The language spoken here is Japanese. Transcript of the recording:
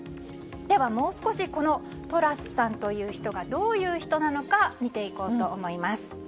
ではもう少しこのトラスさんという人がどういう人なのか見ていこうと思います。